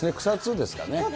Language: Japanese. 草津ですかね。